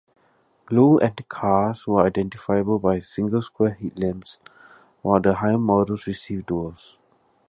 Low-end cars were identifiable by single square headlamps, while the higher models received duals.